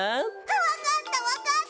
わかったわかった！